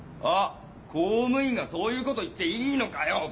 あっ公務員がそういうこと言っていいのかよ！